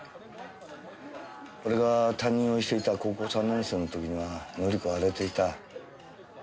俺が担任をしていた高校３年生の時には紀子は荒れていた。